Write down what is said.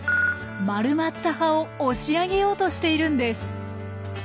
丸まった葉を押し上げようとしているんです。